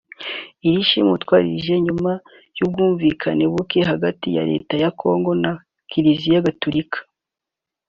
Iri shimuta rije nyuma y’ubwumvikane buke hagati ya Leta ya Congo na Kiliziya Gatolika